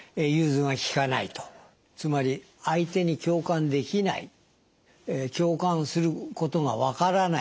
つまり相手に共感できない共感することがわからない。